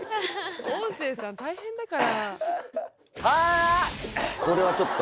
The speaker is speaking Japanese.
音声さん大変だから。